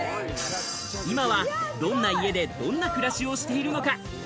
今は、どんな家でどんな暮らしをしているのか？